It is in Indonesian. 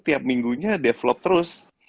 tiap minggu nya develop terus